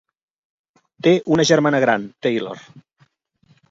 Té una germana gran, Taylor.